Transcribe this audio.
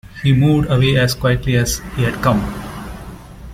He moved away as quietly as he had come.